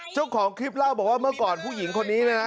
เจ้าของคลิปเล่าบอกว่าเมื่อก่อนผู้หญิงคนนี้เนี่ยนะ